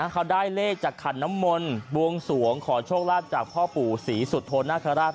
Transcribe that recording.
เขาได้เลขจากขันน้ำมนต์บวงสวงขอโชคลาภจากพ่อปู่ศรีสุโธนาคาราช